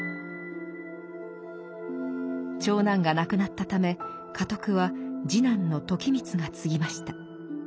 長男が亡くなったため家督は次男の時光が継ぎました。